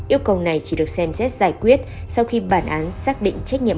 yêu cầu này chỉ được xem xét giải quyết sau khi bản án xác định trách nhiệm